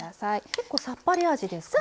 結構さっぱり味ですかね。